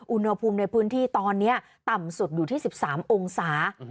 อุณหภูมิในพื้นที่ตอนนี้ต่ำสุดอยู่ที่๑๓องศา